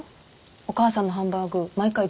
お母さんのハンバーグ毎回動物なの。